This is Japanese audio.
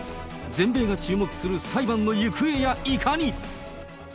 全米が注目する裁判の行方やいかに。